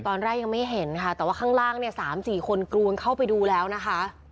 ตอนแรกยังไม่เห็นค่ะแต่ว่าข้างล่างเนี่ย๓๔คนกรูนเข้าไปดูแล้วนะคะ